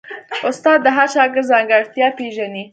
استاد د هر شاګرد ځانګړتیا پېژني.